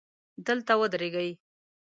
دلته ودرېږئ